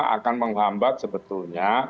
akan menghambat sebetulnya